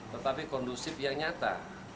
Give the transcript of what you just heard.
tetapi kondusif yang nyata